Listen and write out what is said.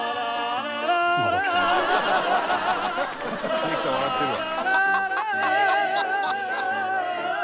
「秀樹さん笑ってるわ」